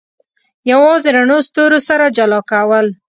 یوازې رڼو ستورو سره جلا کول.